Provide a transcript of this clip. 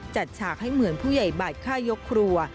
ฉากให้เหมือนผู้ใหญ่บาทฆ่ายกครัว